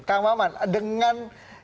kak maman dengan